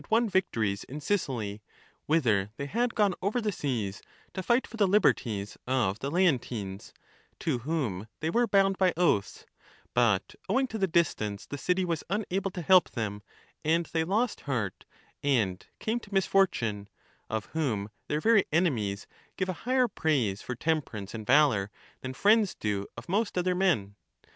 won victories in Sicily, whither they had gone over the seas 243 to fight for the liberties of the Leontines, to whom they were bound by oaths ; but, owing to the distance, the city was unable to help them, and they lost heart and came to misfor tune ; of whom their very enemies give a higher praise for tem perance and valour than friends do of most other men.